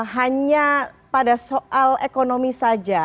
hanya pada soal ekonomi saja